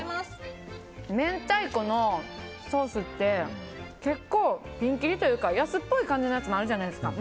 明太子のソースって結構、ピンキリというか安っぽい感じのやつもあるじゃないですか。